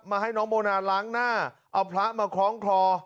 ให้น้องโมนาล้างหน้าเอาพระมาคล้องคลอ